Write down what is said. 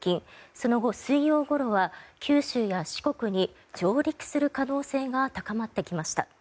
その後、水曜ごろは九州や四国に上陸する可能性が高まってきました。